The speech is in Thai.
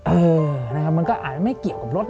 เออมันก็อาจไม่เกี่ยวกับรถ